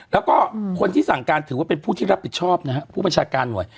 แล้วก็คนที่สั่งการถือว่าเป็นผู้ที่รับผิดชอบนะฮะผู้บัญชาการหน่วย